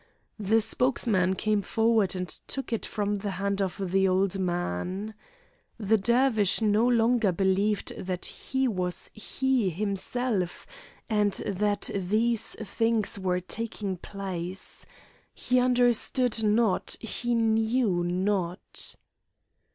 The spokesman came forward and took it from the hand of the old man. The Dervish now no longer believed that he was he himself, and that these things were taking place. He understood not, he knew not.